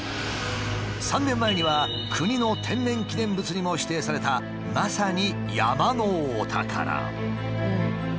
３年前には国の天然記念物にも指定されたまさに山のお宝。